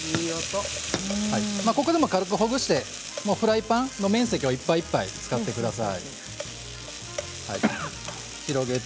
ここでも軽くほぐしてフライパンの面積をいっぱいいっぱい使ってください。